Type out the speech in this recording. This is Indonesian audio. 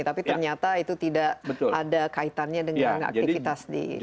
tapi ternyata itu tidak ada kaitannya dengan aktivitas di